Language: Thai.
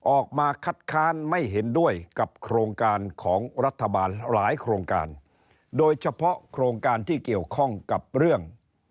ออกมาคัดค้านไม่เห็นด้วยกับโครงการของรัฐบาลหลายโครงการโดยเฉพาะโครงการที่เกี่ยวข้องกับเรื่อง